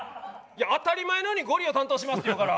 当たり前のように「ゴリを担当します」って言うから。